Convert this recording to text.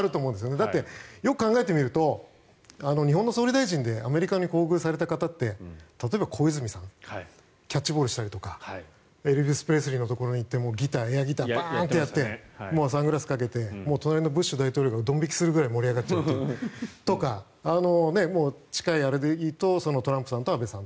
だって、よく考えてみると日本の総理大臣でアメリカに厚遇された方って例えば小泉さんキャッチボールしたりとかエルビス・プレスリーのところに行ってエアギターをバーンってやってサングラスをかけて隣のブッシュ大統領がドン引きするくらい盛り上がってとか近いあれでいうとトランプさんと安倍さん